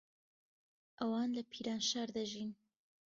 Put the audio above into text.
ئەوان لە پیرانشار دەژین.